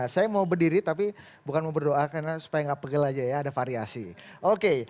saya mau berdiri tapi bukan mau berdoa karena supaya nggak pegel aja ya ada variasi oke